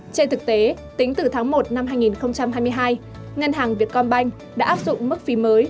trên thực tế tính từ tháng một năm hai nghìn hai mươi hai ngân hàng vietcombank đã áp dụng mức phí mới